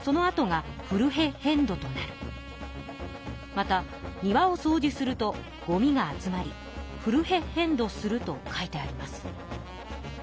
また「庭をそうじするとごみが集まりフルヘッヘンドする」と書いてあります。